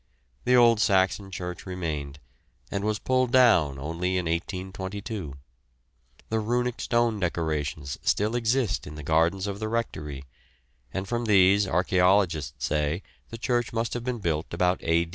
The old Saxon church remained, and was pulled down only in 1822. The Runic stone decorations still exist in the gardens of the rectory, and from these archæologists say the church must have been built about A.